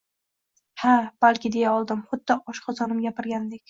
Ha, balki, deya oldim xuddi oshqozonim gapirgandek